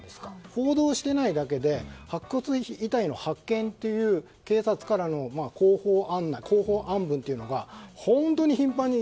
報道していないだけで白骨遺体の発見という警察からの広報案文というのが本当に頻繁に。